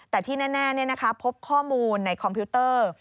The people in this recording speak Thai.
แต่ที่แน่พบข้อมูลในคอมพิวเตอร์